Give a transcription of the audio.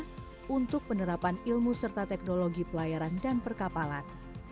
untuk penerapan ilmu serta teknologi pelayaran dan perkapalan